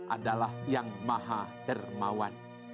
adalah yang maha dermawan